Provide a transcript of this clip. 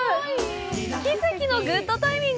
奇跡のグッドタイミング！